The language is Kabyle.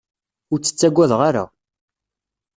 Ur tt-ttagadeɣ ara.